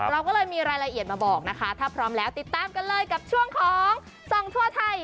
เราก็เลยมีรายละเอียดมาบอกนะคะถ้าพร้อมแล้วติดตามกันเลยกับช่วงของส่องทั่วไทย